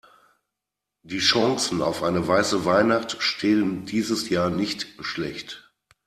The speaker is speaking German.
Die Chancen auf eine weiße Weihnacht stehen dieses Jahr nicht schlecht.